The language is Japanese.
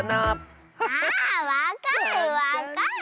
あわかるわかる。